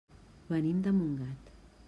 Venim de Montgat.